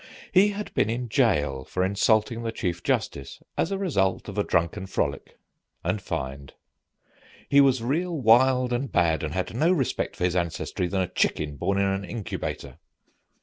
He had been in jail for insulting the chief justice, as a result of a drunken frolic and fine. He was real wild and bad, and had no more respect for his ancestry than a chicken born in an incubator.